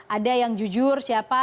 ada yang jujur siapa